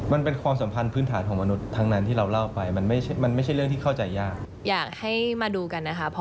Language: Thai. มันเป็นความสัมพันธ์พื้นฐานของมนุษย์ทั้งนั้นที่เราเล่าไปมันไม่ใช่เรื่องที่เข้าใจยาก